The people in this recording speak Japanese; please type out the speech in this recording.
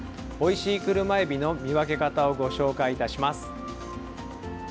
おいしいクルマエビの見分け方をご紹介いたします。